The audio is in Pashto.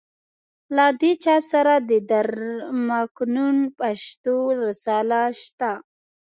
له دې چاپ سره د در مکنون پښتو رساله شته.